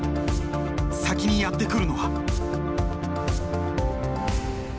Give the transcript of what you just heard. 先にやって来るのは？